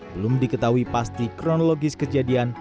belum diketahui pasti kronologis kejadian